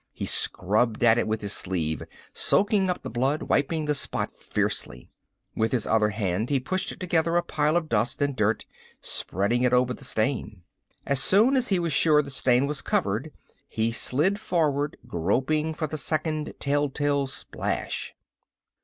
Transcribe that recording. He scrubbed at it with his sleeve, soaking up the blood, wiping the spot fiercely. With his other hand he pushed together a pile of dust and dirt, spreading it over the stain. As soon as he was sure the stain was covered he slid forward, groping for the second telltale splash.